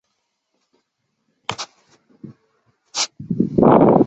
哥伦比亚世界遗产列表列出哥伦比亚国内列入世界遗产名录的地点。